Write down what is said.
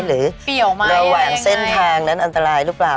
ระหว่างเส้นทางนั้นอันตรายหรือเปล่า